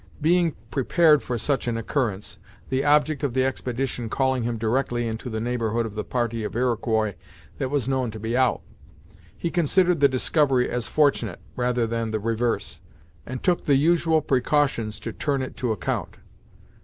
Being prepared for such an occurrence, the object of the expedition calling him directly into the neighborhood of the party of Iroquois that was known to be out, he considered the discovery as fortunate, rather than the reverse, and took the usual precautions to turn it to account.